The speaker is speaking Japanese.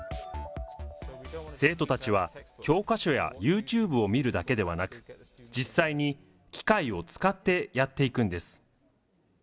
生徒たちは教科書やユーチューブを見るだけではなく、実際に機械を使ってやっていくんです。